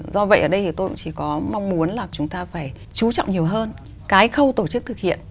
do vậy ở đây thì tôi cũng chỉ có mong muốn là chúng ta phải chú trọng nhiều hơn cái khâu tổ chức thực hiện